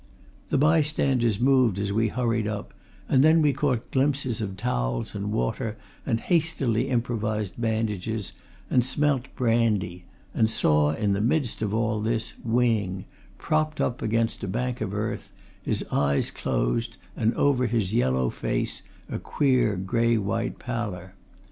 The bystanders moved as we hurried up, and then we caught glimpses of towels and water and hastily improvised bandages and smelt brandy, and saw, in the midst of all this Wing, propped up against a bank of earth, his eyes closed, and over his yellow face a queer grey white pallor.